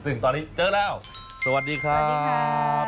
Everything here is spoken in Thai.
ซึ่งตอนนี้เจอแล้วสวัสดีครับ